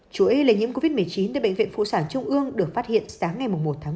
chủ yếu lây nhiễm covid một mươi chín tại bệnh viện phụ sản trung ương được phát hiện sáng ngày một một mươi hai